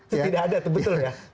tidak ada betul ya